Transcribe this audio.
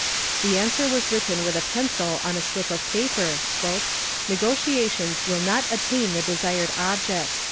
The answer was written with a pencil on a slip of paper, "Negotiations will not attain the desired object."